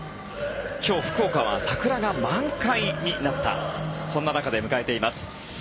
今日、福岡は桜が満開になったそんな中で迎えています。